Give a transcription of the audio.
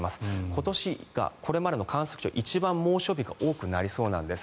今年これまでの観測史上一番、猛暑日が多くなりそうなんです。